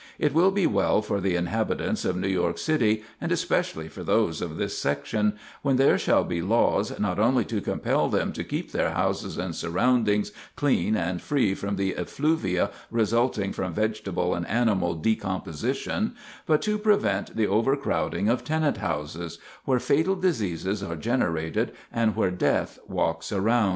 It will be well for the inhabitants of New York City, and especially for those of this section, when there shall be laws not only to compel them to keep their houses and surroundings clean and free from the effluvia resulting from vegetable and animal decomposition, but to prevent the overcrowding of tenant houses, where fatal diseases are generated, and where death walks around."